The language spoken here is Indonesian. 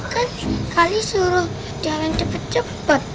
kan kali suruh jalan cepet cepet